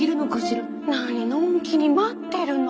何のんきに待ってるの。